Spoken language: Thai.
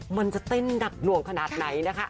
มันจะเต้นหนักหน่วงขนาดไหนนะคะ